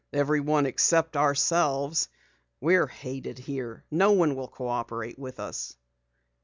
"Everyone except ourselves. We're hated here. No one will cooperate with us."